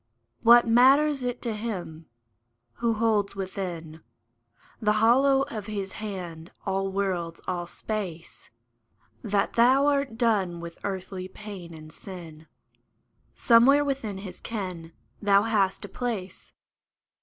What matters it to Him, who holds within The hollow of His hand all worlds, all space, That thou art done with earthly pain and sin ? Somewhere within His ken thou hast a place.